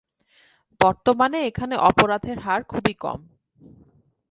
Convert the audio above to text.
বর্তমানে এখানে অপরাধের হার খুবই কম।